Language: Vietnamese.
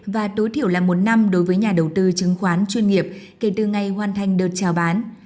và tối thiểu là một năm đối với nhà đầu tư chứng khoán chuyên nghiệp kể từ ngày hoàn thành đợt trao bán